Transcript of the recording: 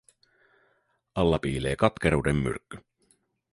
Alla piilee katkeruuden myrkky.